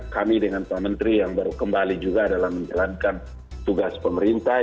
kami dengan pak menteri yang baru kembali juga adalah menjalankan tugas pemerintah